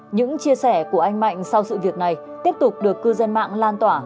những chia sẻ của anh mạnh sau sự việc này tiếp tục được cư dân mạng lan tỏa